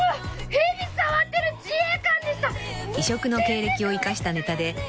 ヘビ触ってる自衛官でした！